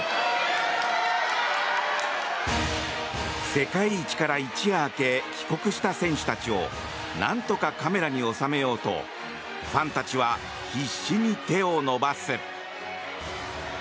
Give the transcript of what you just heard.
世界一から一夜明け帰国した選手たちをなんとかカメラに収めようとファンたちは必死に手を伸ばす。